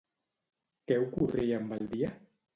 Què ocorria amb el dia?